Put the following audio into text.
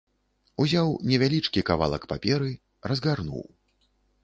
Узяў невялічкі кавалак паперы, разгарнуў.